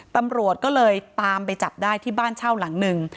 ตำรวจก็เลยตามไปจับได้ที่บ้านเช่าหลังหนึ่ง